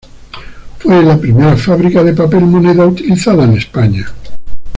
Fue la primera fábrica de papel-moneda utilizada en España.